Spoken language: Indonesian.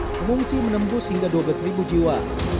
pengungsi menembus hingga dua belas jiwa